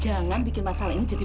jangan bikin masalah ini jadi